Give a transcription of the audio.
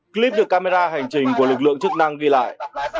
clip được camera hành trình của lực lượng chức năng ghi lại